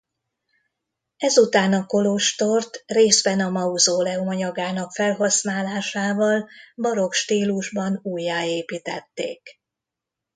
Ezután a kolostort részben a mauzóleum anyagának felhasználásával barokk stílusban újjáépítették.